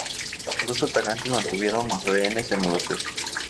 Dos atacantes mantuvieron rehenes en el hotel.